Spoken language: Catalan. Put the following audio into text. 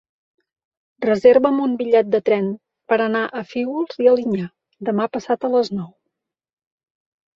Reserva'm un bitllet de tren per anar a Fígols i Alinyà demà passat a les nou.